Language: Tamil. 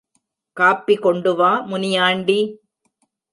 காப்பி கொண்டுவா முனியாண்டி!